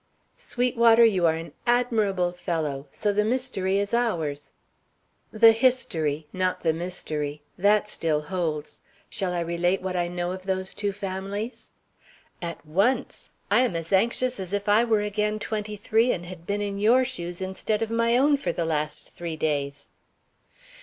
"Sweetwater, you are an admirable fellow. So the mystery is ours." "The history, not the mystery; that still holds. Shall I relate what I know of those two families?" "At once: I am as anxious as if I were again twenty three and had been in your shoes instead of my own for the last three days."